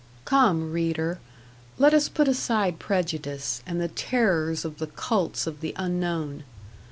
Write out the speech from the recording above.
Come, reader, let us put aside prejudice, and the terrors of the cults of the unknown.